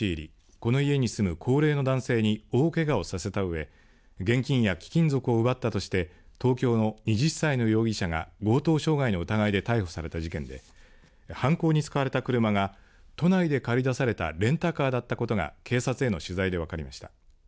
この家に住む高齢の男性に大けがをさせたうえ現金や貴金属を奪ったとして東京の２０歳の容疑者が強盗傷害の疑いで逮捕された事件で犯行に使われた車が都内で借り出されたレンタカーだったことが警察への取材で分かりました。